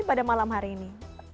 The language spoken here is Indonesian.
pada malam hari ini